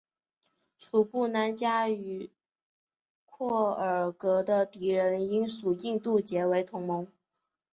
楚布南嘉与廓尔喀的敌人英属印度结为同盟。